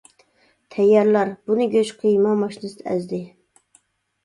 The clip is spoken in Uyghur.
تەييارلار: بۇنى گۆش قىيما ماشىنىسىدا ئەزدى.